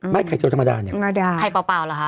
ไม่ไข่เจียวธรรมดาเนี่ยธรรมดาไข่เปล่าหรอฮะ